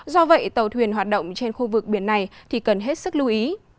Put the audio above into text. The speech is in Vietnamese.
do vậy tàu thuyền hoạt động trên khu vực biển này thì cần hết sức lưu ý